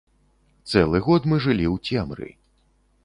Цэлы год мы жылі ў цемры.